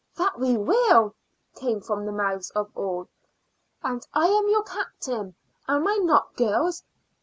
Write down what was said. "That we will!" came from the mouths of all. "And I am your captain, am I not girls?"